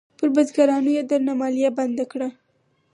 پر بزګرانو یې درنه مالیه بنده کړه.